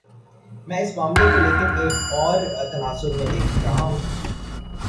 میں اس معاملے کو لیکن ایک اور تناظر میں دیکھ رہا ہوں۔